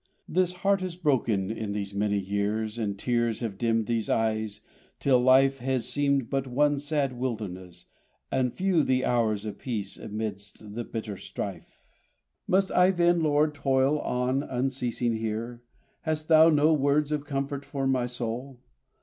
This heart has broken in these many years, And tears have dimmed these eyes, till life Has seemed but one sad wilderness, and few The hours of peace amidst the bitter strife! Must I, then, Lord, toil on unceasing here? Hast thou no words of comfort for my soul?